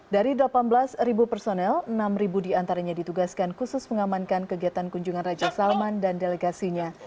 dari delapan belas personel enam diantaranya ditugaskan khusus mengamankan kegiatan kunjungan raja salman dan delegasinya